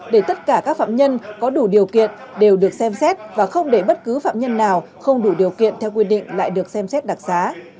để tất cả các phạm nhân có đủ điều kiện đều được xem xét và không để bất cứ phạm nhân nào không đủ điều kiện theo quy định lại được xem xét đặc xá